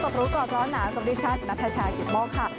สวัสดีค่ะพบบลูกหกร้อนหนาสวัสดีชานัทชาแกรมกิลหม้อค่ะ